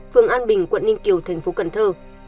phường an bình quận ninh kiều thành phố cần thơ